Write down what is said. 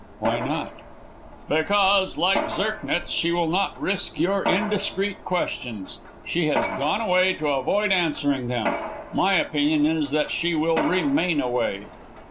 "Why not?" "Because, like Zirknitz, she will not risk your indiscreet questions. She has gone away to avoid answering them. My opinion is that she will remain away."